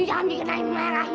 jangan dikenain marah